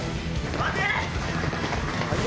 待て！